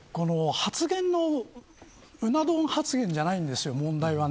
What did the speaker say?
うな丼発言じゃないんですよ問題は。